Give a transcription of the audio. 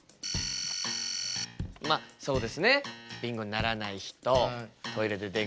まっそうですね。